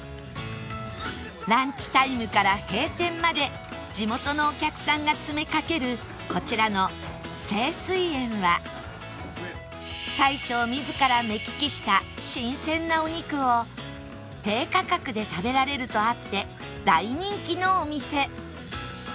ランチタイムから閉店まで地元のお客さんが詰めかけるこちらの成翠園は大将自ら目利きした新鮮なお肉を低価格で食べられるとあって大人気のお店